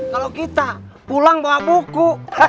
kalau kita pulang bawa buku